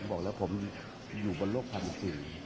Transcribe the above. ผมบอกแล้วผมอยู่บนโลกทางเกี่ยว